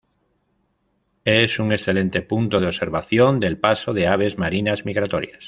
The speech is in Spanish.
Es un excelente punto de observación del paso de aves marinas migratorias.